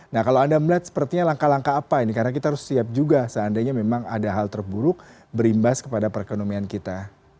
nah kalau anda melihat sepertinya langkah langkah apa ini karena kita harus siap juga seandainya memang ada hal terburuk berimbas kepada perekonomian kita